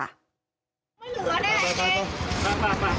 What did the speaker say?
บ๊าย